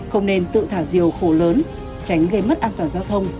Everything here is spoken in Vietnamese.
không nên tự thả diều khổ lớn tránh gây mất an toàn giao thông